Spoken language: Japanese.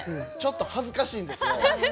ちょっと恥ずかしいんですよ。